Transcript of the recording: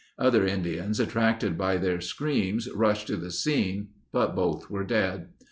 Other Indians attracted by their screams rushed to the scene but both were dead.